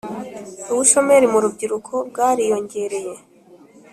ubushomeri murubyiruko bwari yongereye